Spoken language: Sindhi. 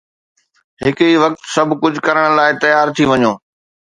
هڪ ئي وقت سڀ ڪجهه ڪرڻ لاءِ تيار ٿي وڃو